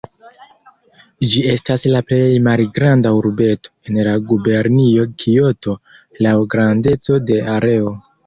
Ĝi estas la plej malgranda urbeto en la gubernio Kioto laŭ grandeco de areo.